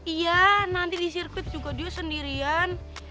iya nanti di sirkuit juga dia sendirian